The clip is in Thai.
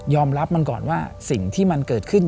อมรับมันก่อนว่าสิ่งที่มันเกิดขึ้น